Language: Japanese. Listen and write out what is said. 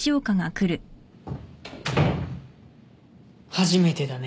・初めてだね